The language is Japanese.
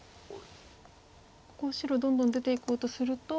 ここ白どんどん出ていこうとすると。